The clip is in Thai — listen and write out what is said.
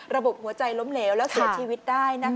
หัวใจล้มเหลวแล้วเสียชีวิตได้